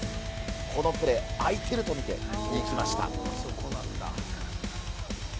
このプレー、空いてると見て行きました。